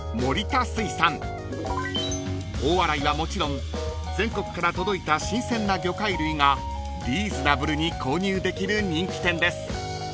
［大洗はもちろん全国から届いた新鮮な魚介類がリーズナブルに購入できる人気店です］